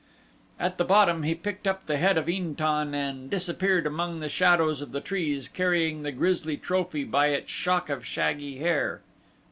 At the bottom he picked up the head of In tan and disappeared among the shadows of the trees carrying the grisly trophy by its shock of shaggy hair.